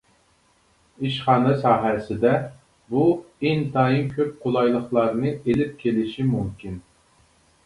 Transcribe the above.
ئىشخانا ساھەسىدە بۇ ئىنتايىن كۆپ قولايلىقلارنى ئېلىپ كېلىشى مۇمكىن.